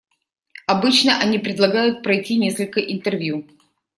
Обычно они предлагают пройти несколько интервью.